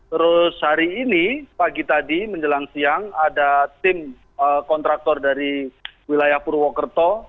terus hari ini pagi tadi menjelang siang ada tim kontraktor dari wilayah purwokerto